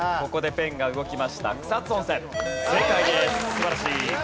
素晴らしい。